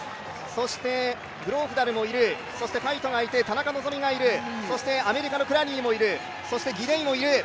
そしてグローフダルがいて、田中希実がいる、アメリカのクラニーもいる、そしてギデイもいる。